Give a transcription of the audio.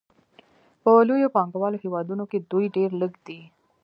په لویو پانګوالو هېوادونو کې دوی ډېر لږ دي